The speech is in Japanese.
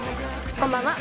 こんばんは。